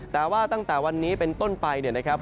แต่ว่าตั้งแต่วันนี้เป็นต้นไปเนี่ยนะครับ